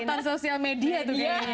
kekuatan sosial media tuh kayaknya